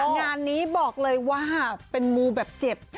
งานนี้บอกเลยว่าเป็นมูแบบเจ็บ